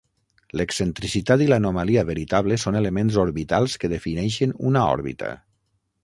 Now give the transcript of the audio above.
L'excentricitat i l'anomalia veritable són elements orbitals que defineixen una òrbita.